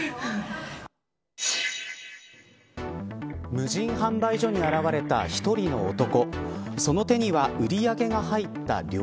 無人販売所に現れた１人の男。